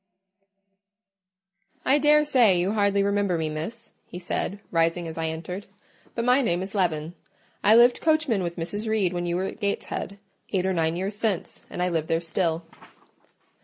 "I daresay you hardly remember me, Miss," he said, rising as I entered; "but my name is Leaven: I lived coachman with Mrs. Reed when you were at Gateshead, eight or nine years since, and I live there still."